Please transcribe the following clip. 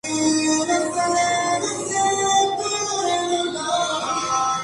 Actualmente corre para el equipo Terengganu.